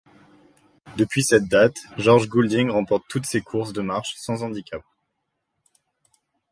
Depuis cette date, George Goulding remporte toutes ses courses de marche sans handicap.